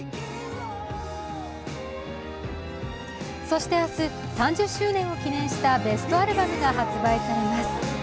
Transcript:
そして明日、３０周年を記念したベストアルバムが発売されます。